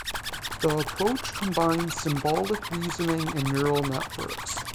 The approach combines symbolic reasoning and neural networks.